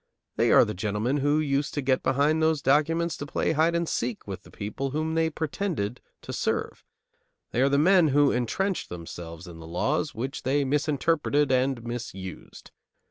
They are the gentlemen who used to get behind those documents to play hide and seek with the people whom they pretended to serve. They are the men who entrenched themselves in the laws which they misinterpreted and misused.